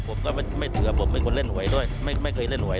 ผมก็ไม่เซือบผมไม่เคยเล่นหวยไม่เคยเล่นหวย